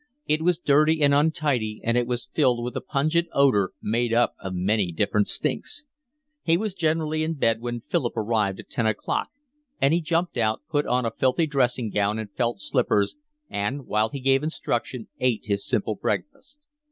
It was dirty and untidy, and it was filled with a pungent odour made up of many different stinks. He was generally in bed when Philip arrived at ten o'clock, and he jumped out, put on a filthy dressing gown and felt slippers, and, while he gave instruction, ate his simple breakfast.